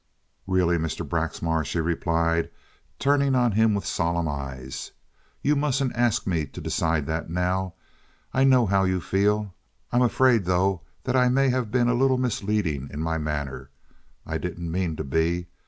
"Really, Mr. Braxmar," she replied, turning on him with solemn eyes, "you mustn't ask me to decide that now. I know how you feel. I'm afraid, though, that I may have been a little misleading in my manner. I didn't mean to be.